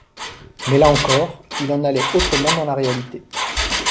Mais là encore, il en allait autrement dans la réalité.